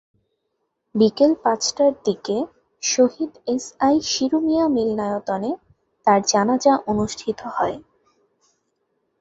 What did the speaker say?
বিকেল পাঁচটার দিকে শহীদ এসআই শিরু মিয়া মিলনায়তনে তাঁর জানাজা অনুষ্ঠিত হয়।